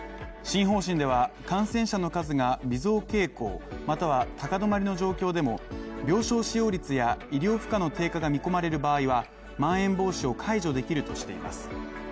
新方針では、感染者の数が微増傾向、または高止まりの状況でも、病床使用率や医療負荷の低下が見込まれる場合はまん延防止を解除できるとしています。